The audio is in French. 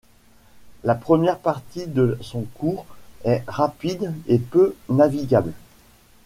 La première partie de son cours est rapide et peu navigable.